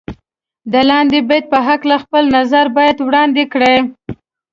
د لاندې بیت په هکله خپل نظر باید وړاندې کړئ.